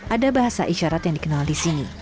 ada bahasa isyarat yang dikenal di sini